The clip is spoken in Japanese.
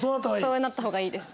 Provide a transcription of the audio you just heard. そうなった方がいいです。